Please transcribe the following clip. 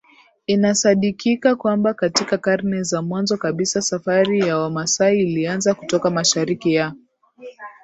Inasadikika kwamba katika karne za mwanzo kabisa Safari ya Wamasai ilianza kutoka Mashariki ya